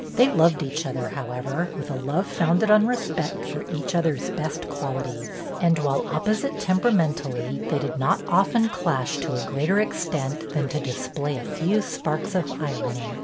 They loved each other, however, with a love founded on respect for each other's best qualities, and, while opposite temperamentally, they did not often clash to a greater extent than to display a few sparks of irony.